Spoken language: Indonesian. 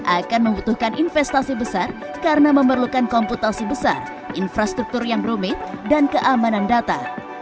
akan membutuhkan investasi besar karena memerlukan komputasi besar infrastruktur yang rumit dan keamanan data